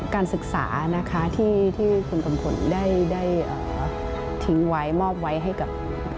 การศึกษานะคะที่คุณกัมพลได้ทิ้งไว้มอบไว้ให้กับ